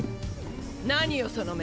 何よその目。